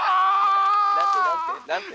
「何て何て？